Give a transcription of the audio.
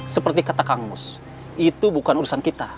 seperti kata kang mus itu bukan urusan kita